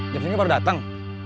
jam singkat baru datang